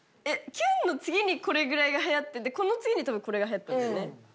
えっきゅんの次にこれぐらいがはやっててこの次に多分これがはやったんだよね。